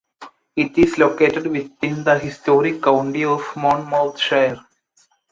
It is located within the historic county of Monmouthshire.